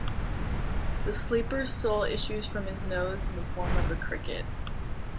The sleeper's soul issues from his nose in the form of a cricket.